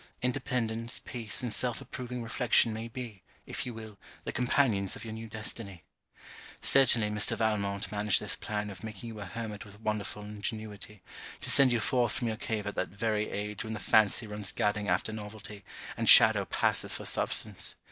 Independence, peace, and self approving reflection may be, if you will, the companions of your new destiny. Certainly Mr. Valmont managed his plan of making you a Hermit with wonderful ingenuity, to send you forth from your cave at that very age when the fancy runs gadding after novelty, and shadow passes for substance.